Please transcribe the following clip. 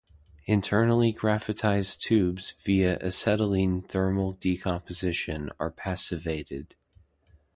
Internally graphitized tubes via acetylene thermal decomposition are passivated.